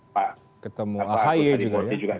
pak kutadi porti ejukan pak ahoye juga ya